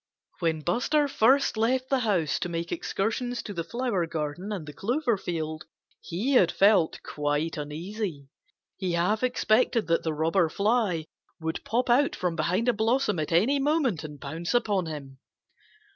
When Buster first left the house to make excursions to the flower garden and the clover field he had felt quite uneasy. He half expected that the Robber Fly would pop out from behind a blossom at any moment and pounce upon him.